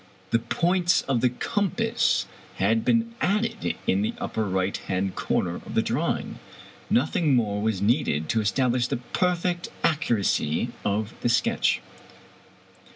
The points of the compass had been added in the upper right hand corner of the drawing. Nothing more was needed to establish the perfect accuracy of the sketch.